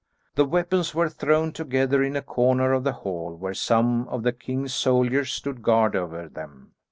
The weapons were thrown together in a corner of the hall where some of the king's soldiers stood guard over them.